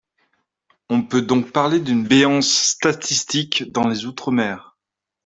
On peut donc parler d’une béance statistique dans les outre-mer.